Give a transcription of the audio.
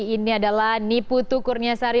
ini adalah niputu kurniasari